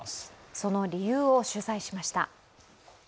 その理由を取材しました。